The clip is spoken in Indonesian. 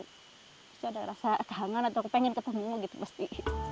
terus ada rasa kangen atau pengen ketemu gitu pasti